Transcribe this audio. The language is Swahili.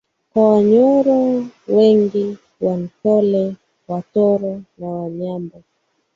kwa Wanyoro wengi Waankole Watoro na Wanyambo